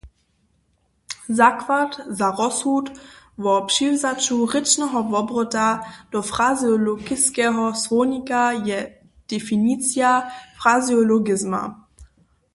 Zakład za rozsud wo přiwzaću rěčneho wobrota do frazeologiskeho słownika je definicija frazeologizma.